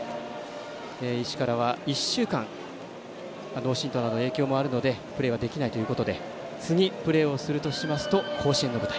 医師からは１週間脳震とうなど影響もあるのでプレーはできないということで次プレーをするとしますと甲子園の舞台。